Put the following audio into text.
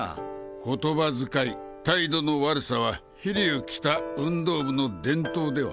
言葉遣い態度の悪さは飛竜北運動部の伝統では？